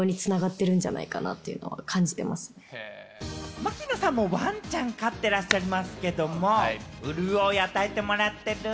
槙野さんもワンちゃん飼ってらっしゃいますけれども、潤いを与えてもらってる？